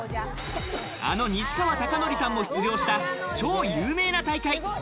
あの西川貴教さんも出場した、超有名な大会。